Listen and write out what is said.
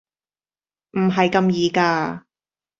唔係咁易㗎